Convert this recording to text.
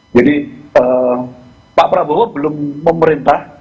jadi pak prabowo belum memerintah mas sukidi